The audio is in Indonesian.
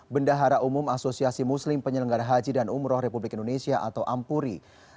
bendahara umum asosiasi muslim penyelenggara haji dan umroh republik indonesia atau ampuri